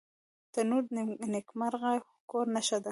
تنور د نیکمرغه کور نښه ده